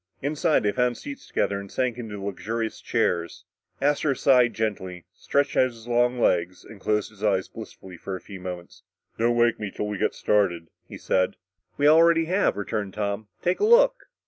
Inside they found seats together and sank into the luxurious chairs. Astro sighed gently, stretched out his long legs and closed his eyes blissfully for a few moments. "Don't wake me till we get started," he said. "We already have," returned Tom. "Take a look."